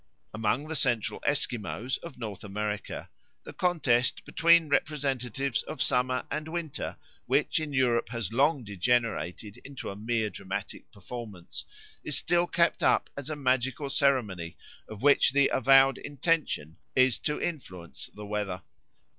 Among the Central Esquimaux of North America the contest between representatives of summer and winter, which in Europe has long degenerated into a mere dramatic performance, is still kept up as a magical ceremony of which the avowed intention is to influence the weather.